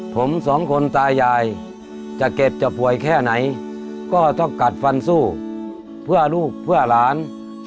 ผมสองคนตายายจะเจ็บจะป่วยแค่ไหนก็ต้องกัดฟันสู้เพื่อลูกเพื่อหลาน